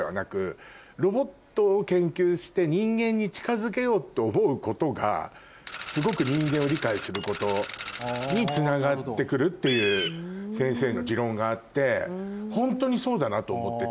人間に近づけようと思うことがすごく人間を理解することにつながってくるっていう先生の持論があってホントにそうだなと思ってて。